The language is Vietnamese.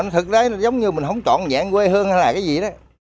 thực ra giống như mình không chọn dạng quê hương hay là cái gì đó